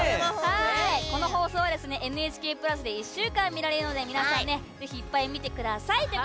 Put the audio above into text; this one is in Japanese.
この放送は「ＮＨＫプラス」で１週間見られるので皆さん、ぜひいっぱい見てください。